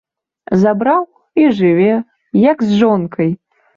Забраў і жыве, як з жонкай!